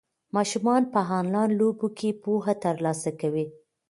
ماشومان په انلاین لوبو کې پوهه ترلاسه کوي.